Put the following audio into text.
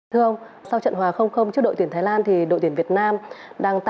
thưa ông sau trận hòa trước đội tuyển thái lan